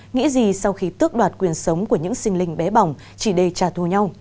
nghĩ gì sau khi tước đoạt quyền sống của những sinh linh bé bỏng chỉ để trả thù nhau